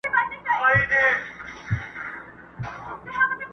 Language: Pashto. له یوه کونجه تر بله پوري تلله!!